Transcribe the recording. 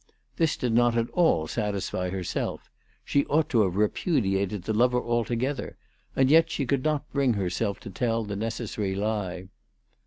This did not at all satisfy herself. She ought to have repudiated the lover alto gether ; and yet she could not bring herself to tell the necessary lie.